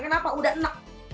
kenapa udah enak